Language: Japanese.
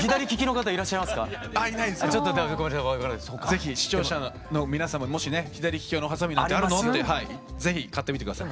ぜひ視聴者の皆さまもしね「左利き用のハサミなんてあるの？」ってぜひ買ってみて下さい。